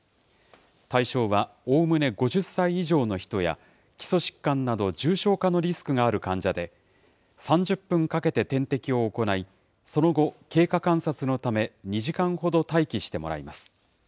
対象は、おおむね５０歳以上の人や、基礎疾患など重症化のリスクがある患者で、３０分かけて点滴を行い、その後、経過観察のため、２時間ほど待機してもらいます。